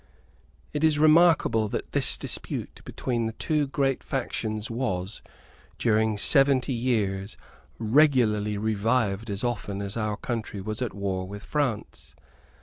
It is remarkable that this dispute between the two great factions was, during seventy years, regularly revived as often as our country was at war with France.